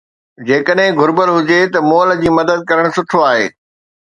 جيڪڏهن گهربل هجي ته مئل جي مدد ڪرڻ سٺو آهي.